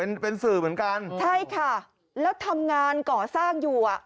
เป็นเป็นสื่อเหมือนกันใช่ค่ะแล้วทำงานก่อสร้างอยู่อ่ะ